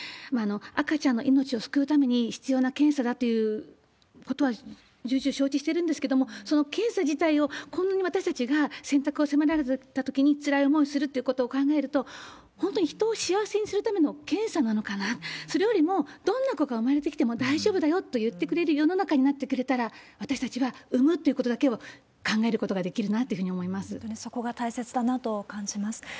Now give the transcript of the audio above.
赤ちゃんの命を救うために必要な検査だということは重々承知してるんですけれども、その検査自体を、こんなに私たちが選択を迫られたときにつらい思いをするということを考えると、本当に人を幸せにするための検査なのかな、それよりも、どんな子が生まれてきても大丈夫だよといってくれる世の中になってくれたら、私たちは産むということだけを考えることができるな本当にそこが大切だなと感じます。